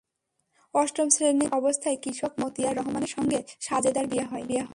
অষ্টম শ্রেণিতে পড়া অবস্থায় কৃষক মতিয়ার রহমানের সঙ্গে সাজেদার বিয়ে হয়।